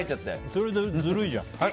それずるいじゃん。